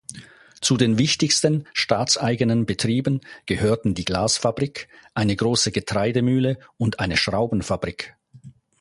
Zu den wichtigsten, staatseigenen, Betrieben gehörten die Glasfabrik, eine große Getreidemühle und eine Schraubenfabrik.